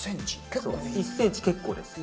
１ｃｍ、結構です。